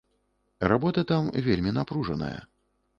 Работа там вельмі напружаная.